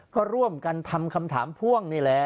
ก็ร่วมกันทำคำถามพ่วงนี่แหละ